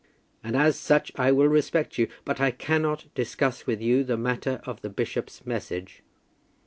"And as such I will respect you; but I cannot discuss with you the matter of the bishop's message."